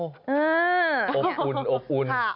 อบอุ่นออกไปขุดตั้งแต่ตี๕